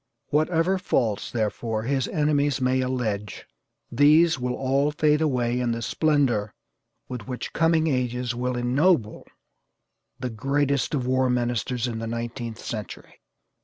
Whatever faults, therefore, his enemies may allege, these will all fade away in the splendor with which coming ages will ennoble the greatest of war ministers in the nineteenth century.